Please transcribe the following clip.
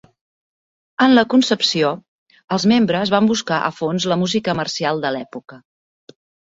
En la concepció, els membres van buscar a fons la música marcial de l'època.